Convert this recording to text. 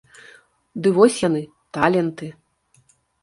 Ды вось яны, таленты!